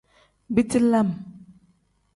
Biti lam.